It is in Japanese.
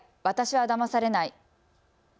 私はだまされない。